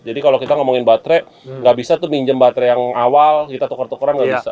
jadi kalau kita ngomongin baterai nggak bisa tuh minjem baterai yang awal kita tukar tukar nggak bisa